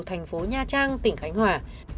tp nha trang tỉnh khánh hòa